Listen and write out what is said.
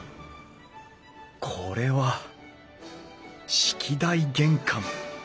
これは式台玄関。